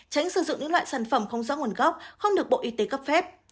tránh sử dụng những loại sản phẩm không rõ nguồn gốc không được bộ y tế cấp phép